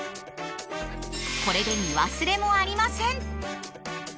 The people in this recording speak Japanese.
これで見忘れもありません！